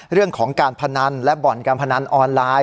เรื่องของการพนันและบ่อนการพนันออนไลน์